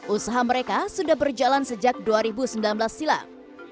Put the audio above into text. usaha mereka sudah berjalan sejak dua ribu sembilan belas silam